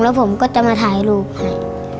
แล้วผมก็จะมาถ่ายรูปให้